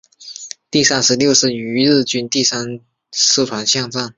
第三十六师与日军第三师团巷战。